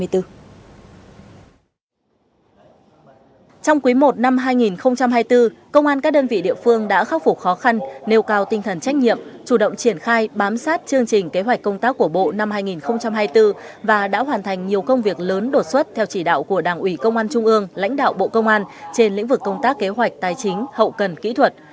trong quý i năm hai nghìn hai mươi bốn công an các đơn vị địa phương đã khắc phục khó khăn nêu cao tinh thần trách nhiệm chủ động triển khai bám sát chương trình kế hoạch công tác của bộ năm hai nghìn hai mươi bốn và đã hoàn thành nhiều công việc lớn đột xuất theo chỉ đạo của đảng ủy công an trung ương lãnh đạo bộ công an trên lĩnh vực công tác kế hoạch tài chính hậu cần kỹ thuật